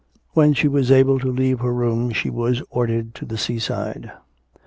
When she was able to leave her room she was ordered to the sea side.